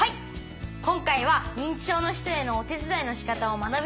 今回は認知症の人へのお手伝いのしかたを学びに行ってきました。